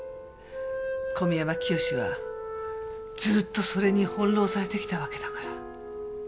小宮山潔はずーっとそれに翻弄されてきたわけだから。